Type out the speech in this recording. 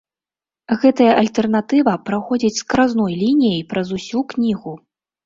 Гэтая альтэрнатыва праходзіць скразной лініяй праз усю кнігу.